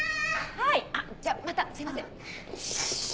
はいじゃあまたすいません。